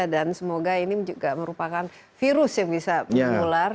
dan semoga ini juga merupakan virus yang bisa mengelar